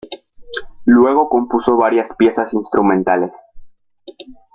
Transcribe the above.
Luego compuso varias piezas instrumentales.